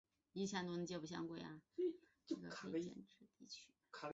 伊科诺米是位于美国阿肯色州波普县的一个非建制地区。